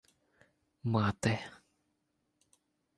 — Мати...